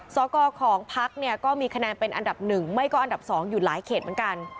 สกของพักเนี่ยก็มีคะแนนเป็นอันดับ๑ไม่ก็อันดับ๒อยู่หลายเขตเหมือนกัน